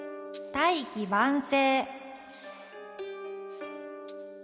「大器晩成」。